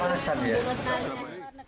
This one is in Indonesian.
jalan kamar san